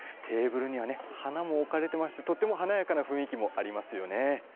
テーブルにはね花も置かれてましてとってもはなやかな雰囲気もありますよね。